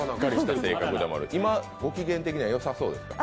今、ご機嫌的には良さそうですか？